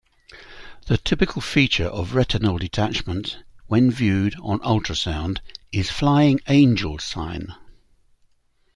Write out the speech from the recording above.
The typical feature of retinal detachment when viewed on ultrasound is "flying angel sign".